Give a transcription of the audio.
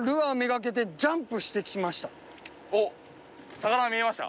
魚見えました？